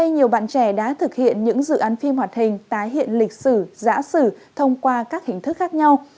nhiều bạn trẻ đã thực hiện những dự án phim hoạt hình tái hiện lịch sử giã sử thông qua các hình thức khác nhau